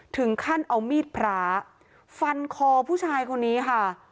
ถึงขั้นเอามีดพระฟันคอผู้ชายคนนี้ค่ะ